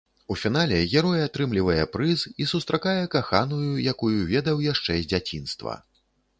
У фінале герой атрымлівае прыз і сустракае каханую, якую ведаў яшчэ з дзяцінства.